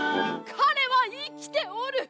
彼は生きておる！